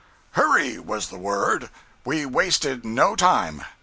Hurry, was the word! We wasted no time.